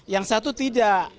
yang satu tidak